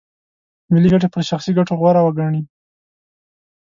ملي ګټې پر شخصي ګټو غوره وګڼي.